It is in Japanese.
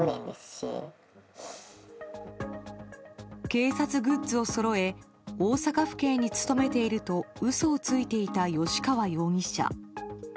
警察グッズをそろえ大阪府警に勤めていると嘘をついていた吉川容疑者。